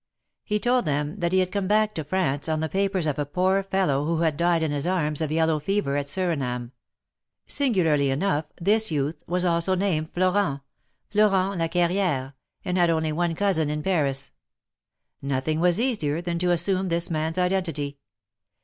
He told them that he had come back to France, on the papers of a poor fellow who had died in his arms of yellow fever at Surinam. Singularly enough, this youth was also named Florent — Florent Laquerriere — and had only one cousin in Paris. Nothing was easier than to assume this man's identity.